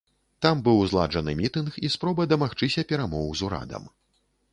Там быў зладжаны мітынг і спроба дамагчыся перамоў з урадам.